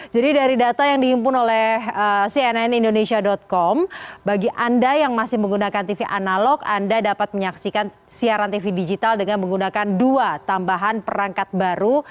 jadi dari data yang diimpun oleh cnnindonesia com bagi anda yang masih menggunakan tv analog anda dapat menyaksikan siaran tv digital dengan menggunakan dua tambahan perangkat baru